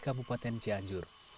kalau ini masih ramai banget